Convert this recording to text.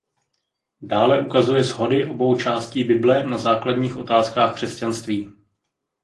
Dále ukazuje shody obou částí Bible na základních otázkách křesťanství.